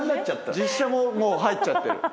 実写ももう入っちゃってる。